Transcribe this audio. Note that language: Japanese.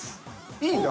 ◆いいんだ。